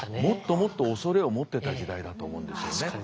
もっともっと恐れを持ってた時代だと思うんですよね。